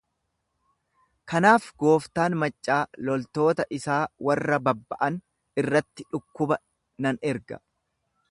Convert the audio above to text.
Kanaaf gooftaan maccaa loltoota isaa warra babba'an irratti dhukkuba nan erga.